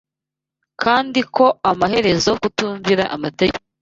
kandi ko amaherezo kutumvira amategeko